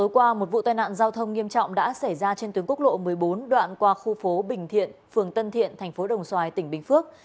xe phạm đã xảy ra trên tuyến quốc lộ một mươi bốn đoạn qua khu phố bình thiện phường tân thiện thành phố đồng xoài tỉnh bình phước